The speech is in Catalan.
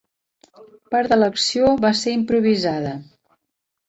Part de l'acció va ser improvisada.